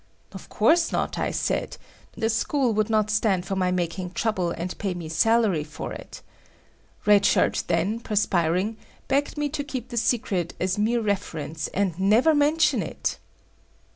Of course not, I said, the school would not stand for my making trouble and pay me salary for it. Red Shirt then, perspiring, begged me to keep the secret as mere reference and never mention it.